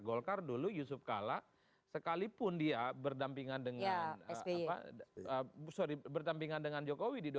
golkar dulu yusuf kala sekalipun dia berdampingan dengan jokowi di dua ribu sembilan belas